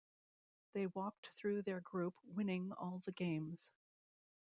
They walked through their group winning all the games.